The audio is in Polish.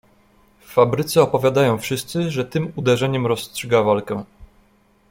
"W fabryce opowiadają wszyscy, że tym uderzeniem rozstrzyga walkę."